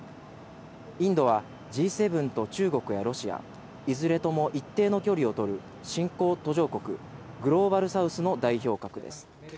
インドはＧ７と中国やロシア、いずれとも一定の距離を取る新興・途上国、グローバル・サウスの代表格です。